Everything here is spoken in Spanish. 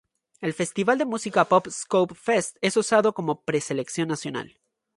El festival de música pop Skopje Fest es usado como preselección nacional.